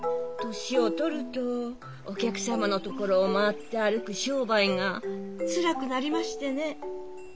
年を取るとお客様のところを回って歩く商売がつらくなりましてね。